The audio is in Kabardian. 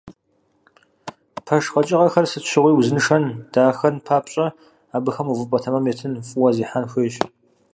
Пэш къэкӏыгъэхэр сыт щыгъуи узыншэн, дахэн папщӏэ, абыхэм увыпӏэ тэмэм етын, фӏыуэ зехьэн хуейщ.